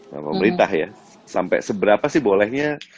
sama merintah ya sampai seberapa sih bolehnya